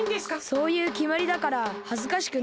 そういうきまりだからはずかしくないです。